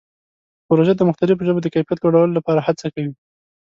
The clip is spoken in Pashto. پروژه د مختلفو ژبو د کیفیت لوړولو لپاره هڅه کوي.